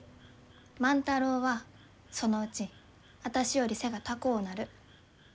万太郎はそのうちあたしより背が高うなる。